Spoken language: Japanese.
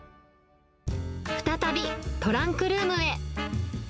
再び、トランクルームへ。